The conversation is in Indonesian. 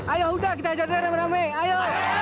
ayo udah kita ajaknya dengan beramai ayo